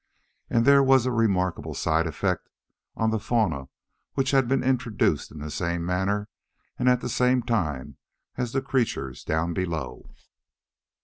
And there was a remarkable side effect on the fauna which had been introduced in the same manner and at the same time as the creatures down below.